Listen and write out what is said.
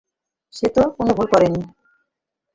না, সে তো কোনো ভুল করেনি।